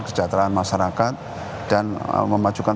kesejahteraan masyarakat dan memajukan